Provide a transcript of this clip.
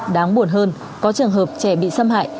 đáng buồn hơn có trường hợp trẻ bị xâm hại